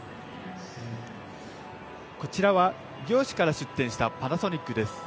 こちらは異業種から出展したパナソニックです。